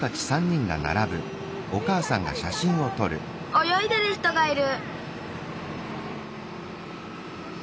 およいでる人がいる。